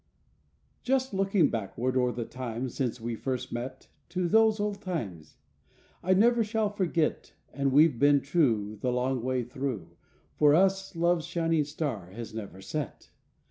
Just looking backward o'er the time Since we first met To those old times! I never shall forget, And we've been true The long way thru, For us loves shining star has never set.